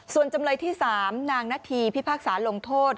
ส่วนจำเลยที่๓นางนาธีพิพากษาลงโทษ